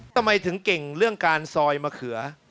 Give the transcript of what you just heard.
ทำไมถึงเก่งเรื่องการซอยมะเขือ